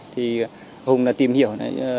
thì hùng tìm hiểu